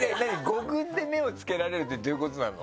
５軍で目をつけられるってどういうことなの？